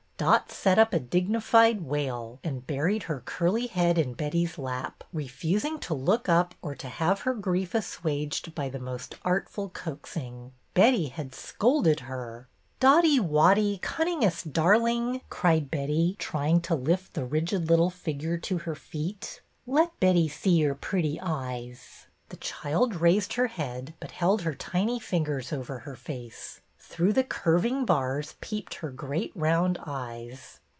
Dot set up a dignified wail and buried her curly head in Betty's lap, refusing to look up or to have her grief assuaged by the most artful coaxing. Betty had scolded her ! ''Dotty Wotty, cunningest darling!" cried Betty, trying to lift the rigid little figure to her feet. " Let Betty see your pretty eyes." The child raised her head, but held her tiny fingers over her face. Through the curving bars peeped her great round eyes.